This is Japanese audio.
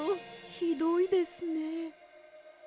ひどいですね。